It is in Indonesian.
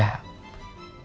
saya kesini mau